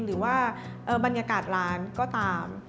หรือว่าบรรยากาศร้านก็ตาม